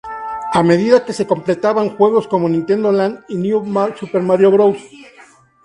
A medida que se completaban juegos como "Nintendo Land" y "New Super Mario Bros.